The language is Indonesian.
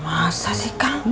masa sih kang